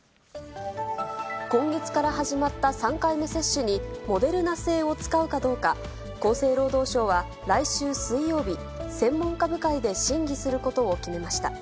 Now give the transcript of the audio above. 今月から始まった３回目接種に、モデルナ製を使うかどうか、厚生労働省は来週水曜日、専門家部会で審議することを決めました。